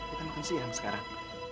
kita makan siang sekarang